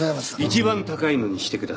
一番高いのにしてください。